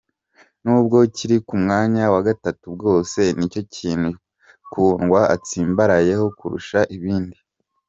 Nubwo kiri ku mwanya wa gatatu bwose, nicyo kintu Kundwa atsimbarayeho kurusha ibindi.